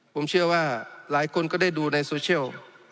ผมเชื่อว่าหลายคนก็ได้ดูในโซเชียล